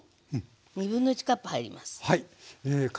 1/2カップ入ります。